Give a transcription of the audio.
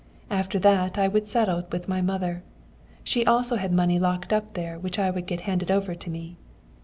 After that I would settle with my mother. She also had money locked up there which I would get handed over to me.